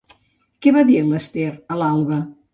Què va dir l'Ester a l'Alba?